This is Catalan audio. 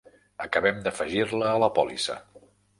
Acabem d'afegir-la a la pòlissa.